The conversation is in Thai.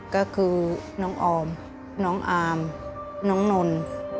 ก็คือน้องออมน้องอามน้องนนท์